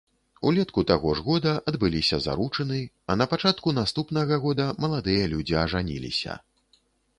Улетку таго ж года адбыліся заручыны, а напачатку наступнага года маладыя людзі ажаніліся.